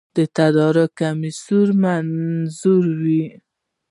د تدارکاتو کمیسیون منظوروي